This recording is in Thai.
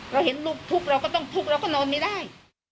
เราเห็นลูกทุกข์เราก็ต้องทุกข์เราก็นอนไม่ได้